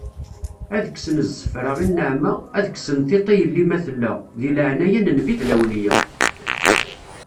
Ad kksen zzefra i nneɛma, ad kksen tiṭ i yelli ma tella, deg laɛnaya n nnbi d lawliya.